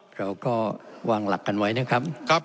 เราก็วางหลักกันไว้นะครับ